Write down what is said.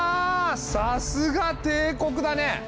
さすが帝国だね！